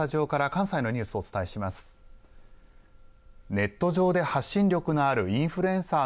ネット上で発信力のあるインフルエンサー。